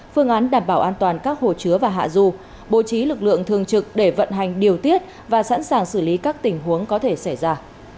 phương án đảm bảo an toàn các hồ chứa và hạ du bố trí lực lượng thường trực để vận hành điều tiết và sẵn sàng xử lý các tình huống có thể xảy ra